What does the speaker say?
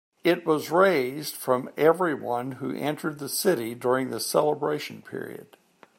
It was raised from everyone who entered the city during the celebration period.